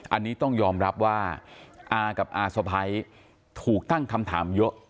อันนี้ต้องยอมรับว่าอากับอาสะพ้ายถูกตั้งคำถามเยอะ